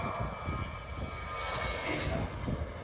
刑事さん